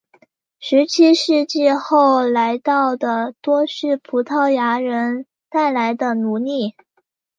十七世纪后来到的多是葡萄牙人带来的奴隶。